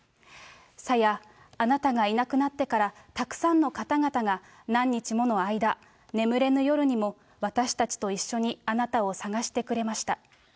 さや、あなたがいなくなってから、たくさんの方々が、何日もの間、眠れぬ夜にも、私たちと一緒にあなたを捜してくれました。